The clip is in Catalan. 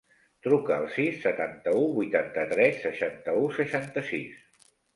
Truca al sis, setanta-u, vuitanta-tres, seixanta-u, seixanta-sis.